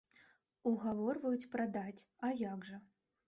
Угаворваюць прадаць, а як жа!